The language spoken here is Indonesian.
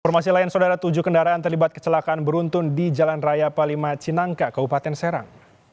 informasi lain saudara tujuh kendaraan terlibat kecelakaan beruntun di jalan raya palima cinangka kabupaten serang